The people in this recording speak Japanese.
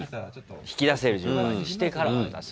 引き出せる順番にしてから渡す。